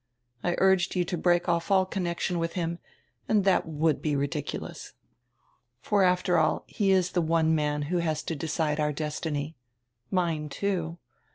I urged you to break off all connection with him, and that would be ridiculous. For after all he is tire one man who has to decide our destiny. Mine, too.